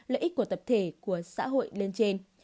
lợi ích của tập thể của xã hội lên trên